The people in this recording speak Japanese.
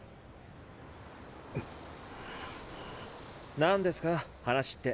何ですか話って。